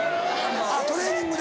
・あっトレーニングで。